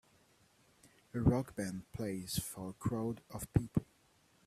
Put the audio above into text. A rock band plays for a crowd of people.